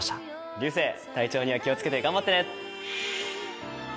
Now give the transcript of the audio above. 流星体調には気を付けて頑張ってね。